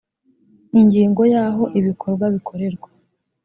ingingo ya aho ibikorwa bikorerwa